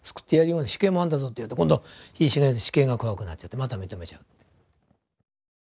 死刑もあるんだぞ」と言われると今度死刑が怖くなっちゃってまた認めちゃう。